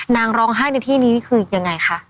นางร้องไห้ในที่นี้คือยังไงคะ